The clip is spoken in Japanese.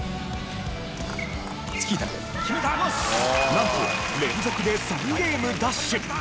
なんと連続で３ゲーム奪取。